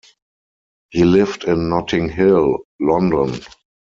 He lived in Notting Hill, London.